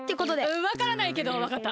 わからないけどわかった。